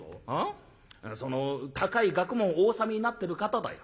その高い学問をお修めなってる方だよ。